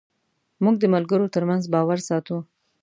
موږ د ملګرو تر منځ باور ساتو.